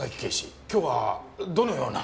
今日はどのような？